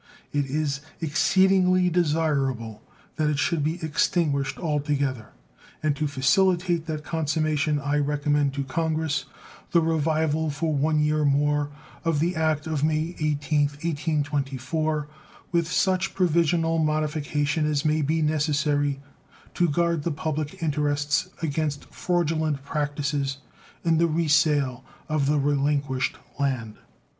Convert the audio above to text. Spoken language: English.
It is exceedingly desirable that it should be extinguished altogether; and to facilitate that consummation I recommend to Congress the revival for one year more of the act of May 18th, 1824, with such provisional modification as may be necessary to guard the public interests against fraudulent practices in the resale of the relinquished land.